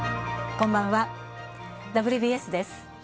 こんばんは、「ＷＢＳ」です。